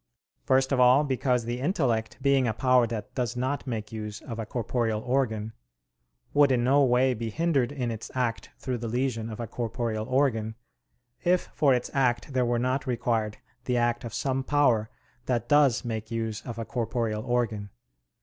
First of all because the intellect, being a power that does not make use of a corporeal organ, would in no way be hindered in its act through the lesion of a corporeal organ, if for its act there were not required the act of some power that does make use of a corporeal organ.